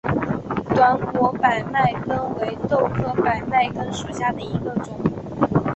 短果百脉根为豆科百脉根属下的一个种。